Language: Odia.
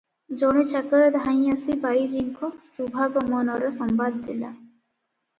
ଜଣେ ଚାକର ଧାଇଁଆସି ବାଇଜୀଙ୍କ ଶୁଭାଗମନର ସମ୍ବାଦ ଦେଲା ।